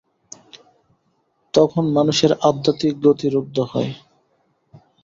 তখন মানুষের আধ্যাত্মিক গতি রুদ্ধ হয়।